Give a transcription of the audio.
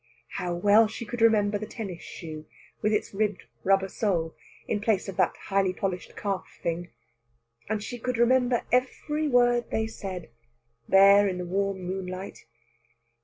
How well she could remember the tennis shoe, with its ribbed rubber sole, in place of that highly polished calf thing! And she could remember every word they said, there in the warm moonlight.